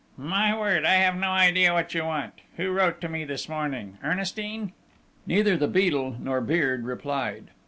"My word, I have no idea what you want!... Who wrote to me this morning? Ernestine?" Neither the Beadle nor Beard replied.